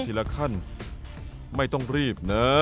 ที่เล็กมาไม่ต้องรีบนะ